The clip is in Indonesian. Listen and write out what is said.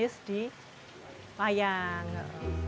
dedikasi dan pengorbanan tony harsono